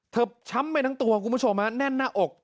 เธอช้ำไปทั้งตัวคุณผู้ชมฮะ